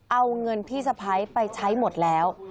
เอาเงินพี่สะพ้ายไปใช้หมดแล้ว